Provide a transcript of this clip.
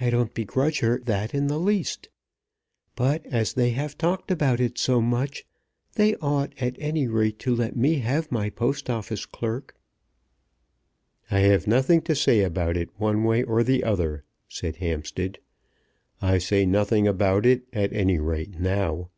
I don't begrudge her that in the least. But as they have talked about it so much, they ought, at any rate, to let me have my Post Office clerk." "I have nothing to say about it one way or the other," said Hampstead. "I say nothing about it, at any rate now."